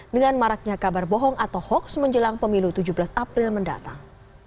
dengan maraknya kabar bohong atau hoax menjelang pemilu tujuh belas april mendatang